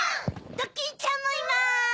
ドキンちゃんもいます！